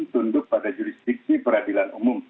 tunduk pada jurisdiksi peradilan umum